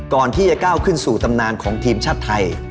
ก่อนที่จะก้าวขึ้นสู่ตำนานของทีมชาติไทย